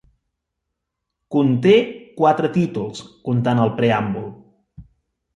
Conté quatre títols, contant el preàmbul.